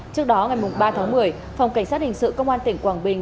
trước đó ngày ba tháng một mươi phòng cảnh sát hình sự công an tỉnh quảng bình